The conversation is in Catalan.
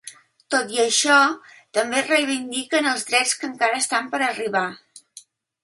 Tot i això, també es reivindiquen els drets que encara estan per arribar.